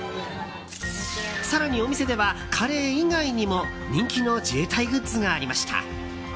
更に、お店ではカレー以外にも人気の自衛隊グッズがありました。